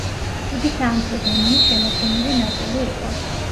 იგი სამეფო დომენის შემადგენელი ნაწილი იყო.